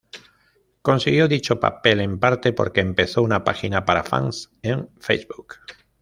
Consiguió dicho papel, en parte, porque empezó una página para fans en Facebook.